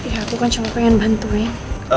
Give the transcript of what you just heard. ya aku kan cuma pengen bantuin